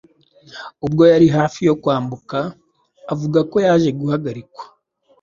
ubwo yari ari hafi kwambuka, avuga ko yaje guhagarikwa